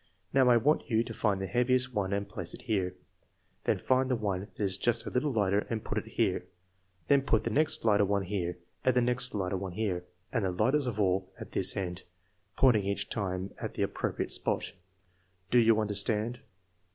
Now, I want you to find the heaviest one and place it here. Then find the one that is just a little lighter and put it here. Then put the next lighter one here, and the next lighter one here, and the lightest of all at this end (pointing each time at the appropriate spot). Do you understand